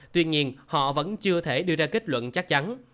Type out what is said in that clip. tuy nhiên họ vẫn chưa thể đưa ra kết luận chắc chắn